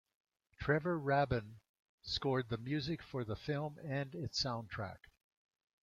Trevor Rabin scored the music for the film and its soundtrack.